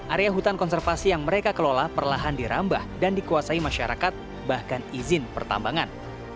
area hutan konservasi yang mereka kelola perlahan dirambah dan dikuasai masyarakat bahkan izin pertambangan